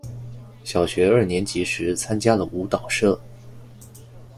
小学二年级时参加了舞蹈社。